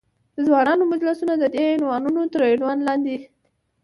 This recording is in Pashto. د ځوانانو مجلسونه، ددې عنوانونو تر عنوان لاندې.